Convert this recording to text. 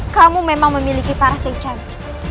kamu memang memiliki parasit change